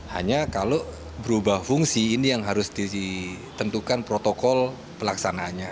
hanya kalau berubah fungsi ini yang harus ditentukan protokol pelaksanaannya